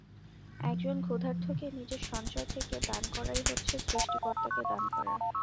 একজন ক্ষুধার্তকে নিজের সঞ্চয় থেকে দান করাই হচ্ছে সৃষ্টিকর্তাকে দান করা।